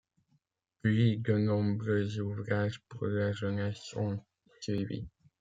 Puis, de nombreux ouvrages pour la jeunesse ont suivi.